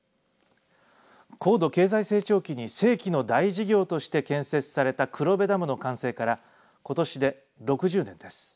高度経済成長期に世紀の大事業として建設された黒部ダムの完成からことしで６０年です。